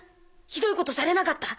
ひどいことされなかった？